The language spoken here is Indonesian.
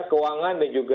keuangan dan juga